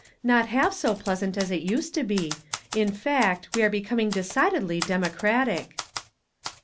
" Not half so pleasant as it used to be ; in fact, we are becoming decidedly democratic."